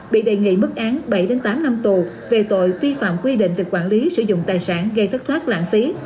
bị đề nghị mức án bảy đến tám năm tù về tội phi phạm quy định việc quản lý sử dụng tài sản gây thất thoát lãng phí